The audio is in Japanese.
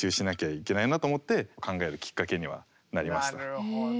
なるほど。